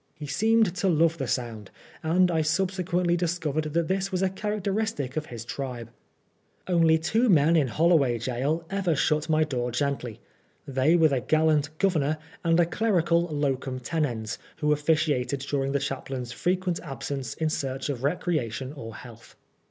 He seemed to love the sound, and I subsequently discovered that this was a charac teristic of his tribe. Only two men in HoUoway Gaol ever shut my door gently. They were the gallant Governor and a clerical locum tenens who officiated during the chaplain's frequent absence in search of recreation or health.